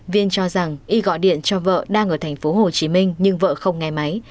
viên cho rằng y gọi điện cho vợ đang ở thành phố hồ chí minh nhưng vợ không nghe máy